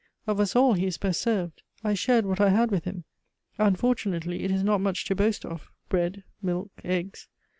Of us all, he is best served. I shared what I had with him. Unfortunately, it is not much to boast of bread, milk, eggs.